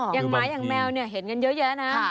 อย่างม้าอย่างแมวเห็นกันเยอะแยะนะ